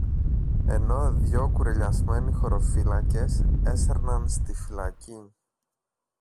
ενώ δυο κουρελιασμένοι χωροφύλακες έσερναν στη φυλακή